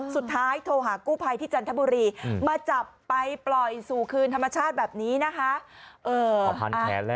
สุดท้ายโทรหากู้ภัยที่จันทบุรีมาจับไปปล่อยสู่คืนธรรมชาติแบบนี้นะคะ